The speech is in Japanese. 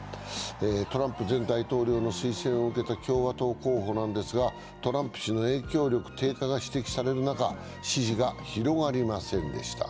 トランプ前大統領の推薦を受けた共和党候補ですが、トランプ氏の影響力低下が指摘される中、支持が広がりませんでした。